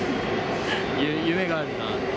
夢があるなあ。